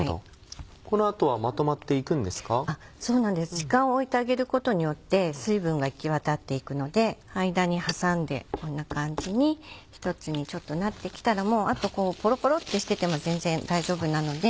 時間を置いてあげることによって水分が行き渡っていくので間に挟んでこんな感じに一つにちょっとなってきたらもうあとポロポロってしてても全然大丈夫なので。